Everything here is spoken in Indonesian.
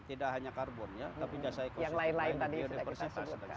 tidak hanya karbon tapi jasa ekosistem lain lain